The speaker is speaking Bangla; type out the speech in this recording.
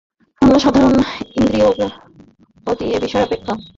আমরা সাধারণত ইন্দ্রিয়গ্রাহ্য বিষয় অপেক্ষা উচ্চতর বস্তুর সত্যতা বুঝিতে পারি না।